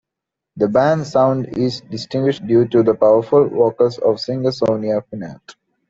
The band's sound is distinctive due to the powerful vocals of singer Sonia Pineault.